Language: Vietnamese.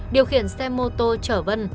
điều khiển xe mô tô chở vân